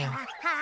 あ！